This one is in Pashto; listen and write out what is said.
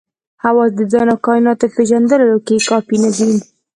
حواس د ځان او کایناتو پېژندلو کې کافي نه دي.